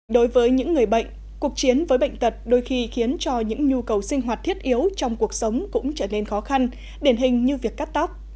đối với những người bệnh cuộc chiến với bệnh tật đôi khi khiến cho những nhu cầu sinh hoạt thiết yếu trong cuộc sống cũng trở nên khó khăn điển hình như việc cắt tóc